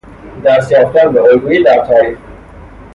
دست یافتن به الگویی در تاریخ